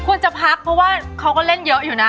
จะพักเพราะว่าเขาก็เล่นเยอะอยู่นะ